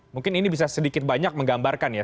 mungkin ini bisa sedikit banyak menggambarkan ya